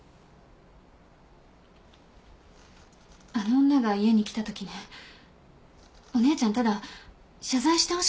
あの女が家に来たときねお姉ちゃんただ謝罪してほしかっただけなの。